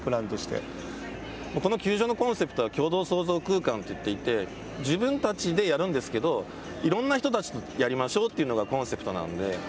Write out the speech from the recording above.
この球場のコンセプトは共同創造空間といっていて、自分たちでやるんですけど、いろんな人たちとやりましょうというのが、コンセプトなので。